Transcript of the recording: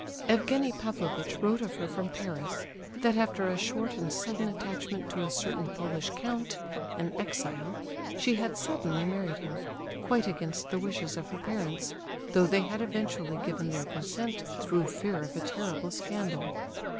Evgenie Pavlovitch wrote of her from Paris, that after a short and sudden attachment to a certain Polish count, an exile, she had suddenly married him, quite against the wishes of her parents, though they had eventually given their consent through fear of a terrible scandal.